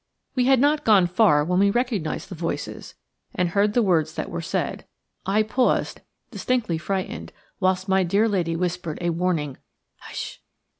We had not gone far when we recognised the voices, and heard the words that were said. I paused, distinctly frightened, whilst my dear lady whispered a warning "Hush!"